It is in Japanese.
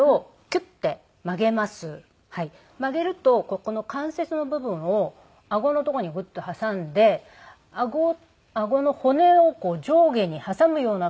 曲げるとこの関節の部分を顎の所にグッと挟んで顎の骨を上下に挟むような感じで。